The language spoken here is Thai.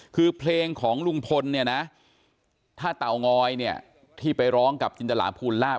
คือเพลงของลุงพลถ้าเต่างอยที่ไปร้องกับจินตราภูลลาภ